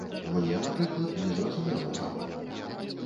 Мне, напрыклад, незразумела чаму.